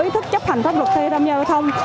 ý thức chấp hành pháp luật thi đâm giao thông